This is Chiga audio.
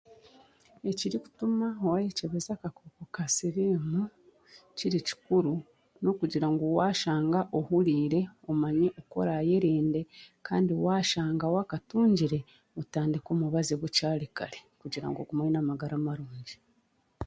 Ekirikutuma waayekyebeza akakooko ka siriimu kiri kikuru n'okugira ngu waashanga ohuriire omanye okw'orayerinde kandi waashanga waakatungire otandike omubaazi bukyari kare kugira ngu ogume oine amagara marungi.